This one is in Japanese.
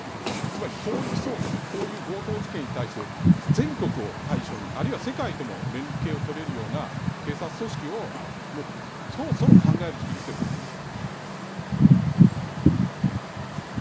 つまり広域捜査こういう強盗事件に対して全国を対象にあるいは世界とも連携を取れる警察組織をそろそろ考える時期にきていると思います。